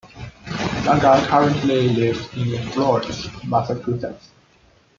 Laga currently lives in Florence, Massachusetts.